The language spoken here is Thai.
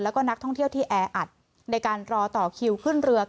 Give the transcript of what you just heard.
แล้วก็นักท่องเที่ยวที่แออัดในการรอต่อคิวขึ้นเรือ